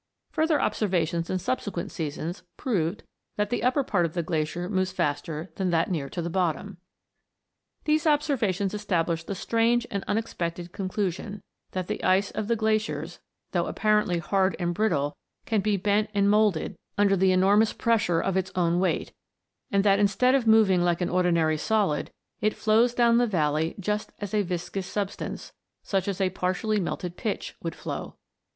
Further observations in subsequent seasons proved that the upper part of the glacier moves faster than that near to the bottom. MOVING LANDS. 249 These observations established the strange and unexpected conclusion, that the ice of glaciers, though apparently hard and brittle, can be bent and moulded under the enormous pressure of its own weight, and that instead of moving like an ordinary solid, it flows down the valley just as a viscous sub stance, such as partially melted pitch, would flow.